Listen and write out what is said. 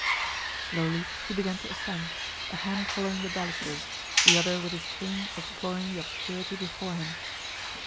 Slowly he began to ascend, a hand following the balusters, the other with his cane exploring the obscurity before him.